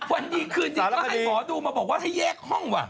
วันดีคืนดีก็ให้หมอดูมาบอกว่าให้แยกห้องว่ะ